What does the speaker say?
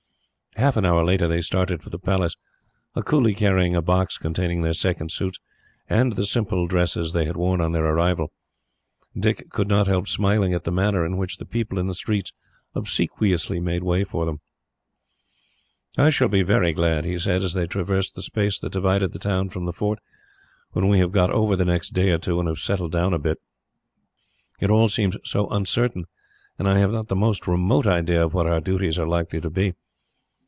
Half an hour later they started for the Palace, a coolie carrying a box containing their second suits, and the simple dresses they had worn on their arrival. Dick could not help smiling, at the manner in which the people in the streets obsequiously made way for them. "I shall be very glad," he said, as they traversed the space that divided the town from the fort, "when we have got over the next day or two, and have settled down a bit. It all seems so uncertain, and I have not the most remote idea of what our duties are likely to be.